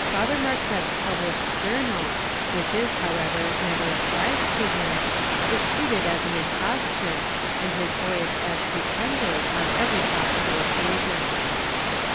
Father Marquette's published Journal, which is, however, never ascribed to him, is treated as an imposture, and his voyage as pretended, on every ]>os8ible occasion.